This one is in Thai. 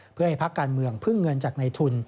เพื่อให้พักการเมืองพึ่งเงินจากในทุน